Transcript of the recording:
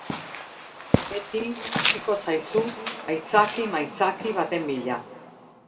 Beti hasiko zaizu aitzaki-maitzaki baten bila.